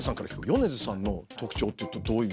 米津さんの特徴ってどういう？